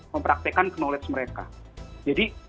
mempraktekan knowledge mereka jadi